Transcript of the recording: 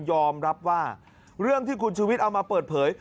ยอมรับว่าเรื่องที่คุณชุวิตเอามาเปิดเผย